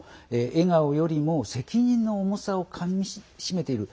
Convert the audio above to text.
笑顔よりも責任の重さをかみしめている。